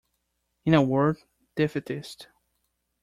In a word, defeatist.